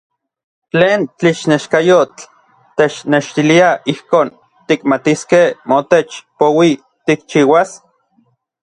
¿tlen tlixneskayotl technextilia ijkon tikmatiskej motech poui tikchiuas?